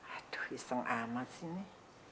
aduh iseng amat sih ini